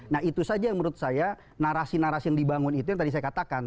nah itu saja yang menurut saya narasi narasi yang dibangun itu yang tadi saya katakan